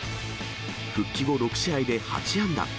復帰後６試合で８安打。